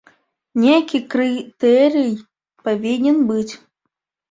Нейкі крытэрый павінен быць.